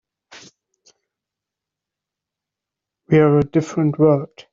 We're a different world.